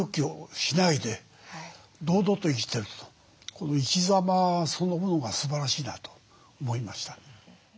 この生き様そのものがすばらしいなと思いました。